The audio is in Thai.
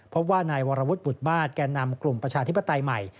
พบว่านายวรวุฒิบุตรมาสแก่นำกลุ่มประชาธิปไตยใหม่